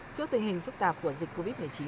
trước tình hình phức tạp của dịch covid một mươi chín